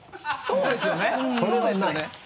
そうですよ！